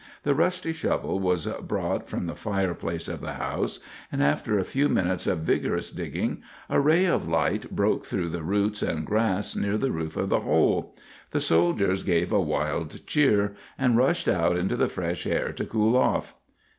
The rusty shovel was brought from the fireplace of the house, and after a few minutes of vigorous digging, a ray of light broke through the roots and grass near the roof of the hole. The soldiers gave a wild cheer, and rushed out into the fresh air to cool off.